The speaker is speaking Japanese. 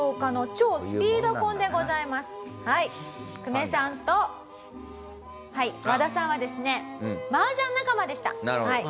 久米さんと和田さんはですね麻雀仲間でした偶然。